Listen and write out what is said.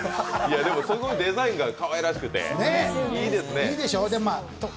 でもすごいデザインがかわいらしくて、いいですね。